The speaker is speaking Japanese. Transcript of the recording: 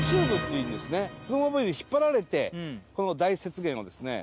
スノーモービルに引っ張られてこの大雪原をですね